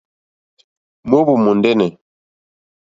Mòóhwò mòndɛ́nɛ̀.